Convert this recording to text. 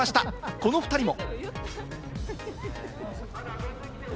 この２人も。